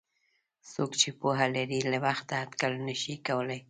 څوک چې پوهه لري له وخته اټکل نشي کولای.